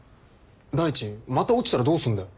第一また落ちたらどうすんだよ。